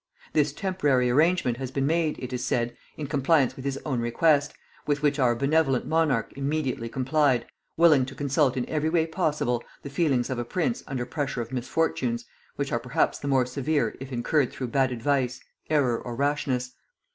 This temporary arrangement has been made, it is said, in compliance with his own request, with which our benevolent monarch immediately complied, willing to consult in every way possible the feelings of a prince under pressure of misfortunes, which are perhaps the more severe if incurred through bad advice, error, or rashness.